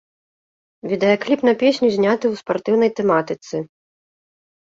Відэакліп на песню зняты ў спартыўнай тэматыцы.